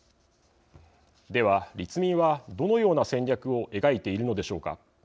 では、立民は、どのような戦略を描いているのでしょうか。